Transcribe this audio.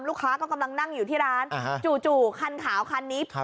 ลูกค้าก็กำลังนั่งอยู่ที่ร้านอ่าฮะจู่จู่คันขาวคันนี้ครับ